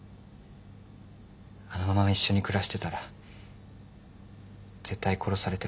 あのまま一緒に暮らしてたら絶対殺されてましたよ。